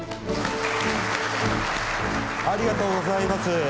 ありがとうございます